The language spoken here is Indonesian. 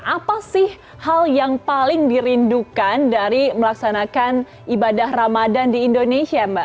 apa sih hal yang paling dirindukan dari melaksanakan ibadah ramadan di indonesia mbak